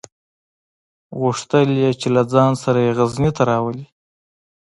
غوښتل یې چې له ځان سره یې غزني ته راولي.